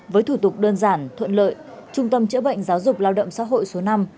với thủ tục đơn giản thuận lợi trung tâm chữa bệnh giáo dục lao động xã hội số năm